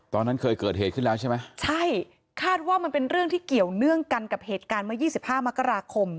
ตอนนั้นเคยเกิดเหตุขึ้นแล้วใช่ไหมใช่คาดว่ามันเป็นเรื่องที่เกี่ยวเนื่องกันกับเหตุการณ์เมื่อ๒๕มกราคม